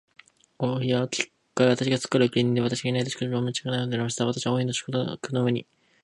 王妃は私がすっかりお気に入りで、私がいないと食事も召し上らないほどになりました。私は王妃の食卓の上に、